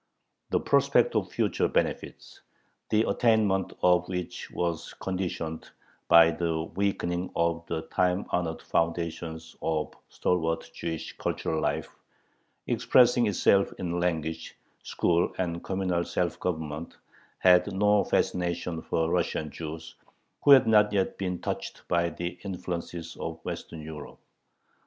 The prospect of future benefits, the attainment of which was conditioned by the weakening of the time honored foundations of a stalwart Jewish cultural life, expressing itself in language, school, and communal self government, had no fascination for Russian Jews, who had not yet been touched by the influences of Western Europe.